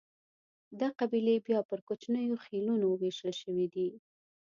دا قبیلې بیا پر کوچنیو خېلونو وېشل شوې دي.